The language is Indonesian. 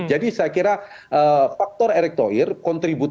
jadi saya kira faktor erik thohir